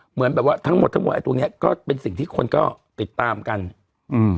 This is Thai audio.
เหมือนแบบว่าทั้งหมดทั้งหมดไอ้ตรงเนี้ยก็เป็นสิ่งที่คนก็ติดตามกันอืม